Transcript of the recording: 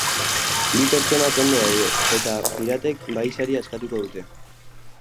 Bi pertsonak ondo daude, eta piratek bahisaria eskatuko dute.